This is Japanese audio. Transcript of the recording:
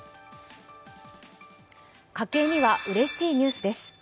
家計にはうれしいニュースです。